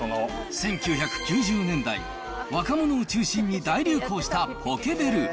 １９９０年代、若者を中心に大流行したポケベル。